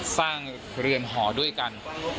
สร้างเรือนหอด้วยกัน